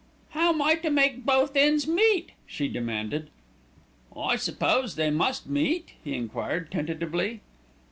"How am I to make both ends meet?" she demanded. "I suppose they must meet?" he enquired tentatively.